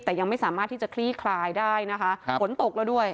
แต่ยังไม่สามารถที่จะคลี่คลายได้นะคะฝนตกแล้วด้วย